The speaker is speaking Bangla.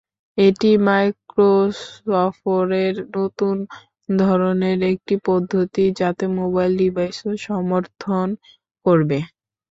এটি মাইক্রোসফটের নতুন ধরনের একটি পদ্ধতি, যাতে মোবাইল ডিভাইসও সমর্থন করবে।